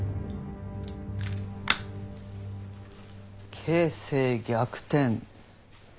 形勢逆転。